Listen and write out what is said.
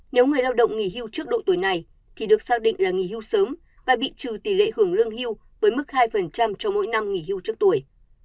nếu người lao động nghỉ hưu trước độ tuổi này thì được xác định là nghỉ hưu sớm và bị trừ tỷ lệ hưởng lương hưu với mức hai cho mỗi năm nghỉ hưu trước tuổi